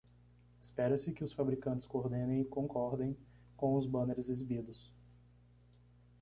Espera-se que os fabricantes coordenem e concordem com os banners exibidos.